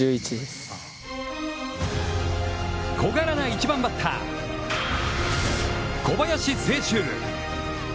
小柄な１番バッター、小林聖周。